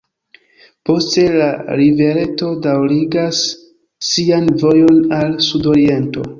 Poste la rivereto daŭrigas sian vojon al sudoriento.